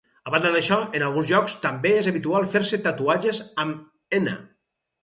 A banda d'això, en alguns llocs també és habitual fer-se tatuatges amb henna.